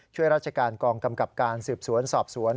ช่วยราชการกองกำกับการสืบสวนสอบสวน